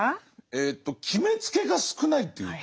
えと決めつけが少ないっていうか。